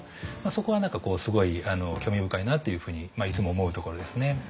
そこは何かすごい興味深いなっていうふうにいつも思うところですね。